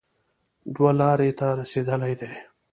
دوه لارې ته رسېدلی دی